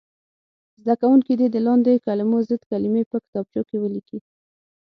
زده کوونکي دې د لاندې کلمو ضد کلمې په کتابچو کې ولیکي.